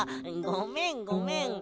ごめんごめん。